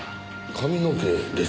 髪の毛ですか？